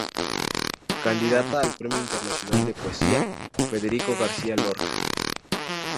Candidata al Premio Internacional de Poesía Federico García Lorca.